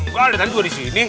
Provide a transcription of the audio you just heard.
gue ada tanya gue disini